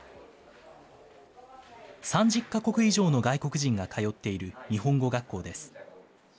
３０か国以上の外国人が通っている日本語学校です。